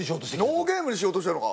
ノーゲームにしようとしてるのか。